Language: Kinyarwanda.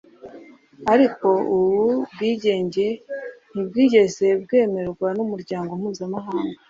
ariko ubu bwingenge ntibwigeze bwemerwa n’umuryango mpuzamahanga